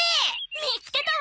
見つけたわ！